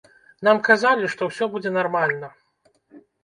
Нам казалі, што ўсё будзе нармальна.